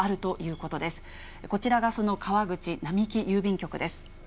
こちらがその川口並木郵便局です。